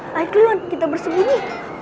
lain keliuan kita bersembunyi